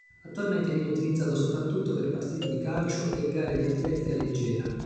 Attualmente viene utilizzato soprattutto per partite di calcio e gare di atletica leggera.